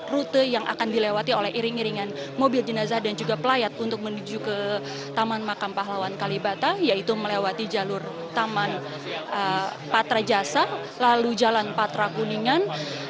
rute yang akan dilewati oleh iring iringan mobil jenazah dan juga pelayat untuk menuju ke taman makam pahlawan kalibata yaitu melewati jalur taman patra jasa lalu jalan patra kuningan